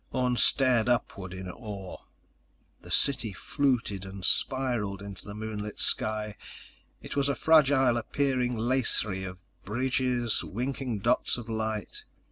Orne stared upward in awe. The city fluted and spiraled into the moonlit sky. It was a fragile appearing lacery of bridges, winking dots of light.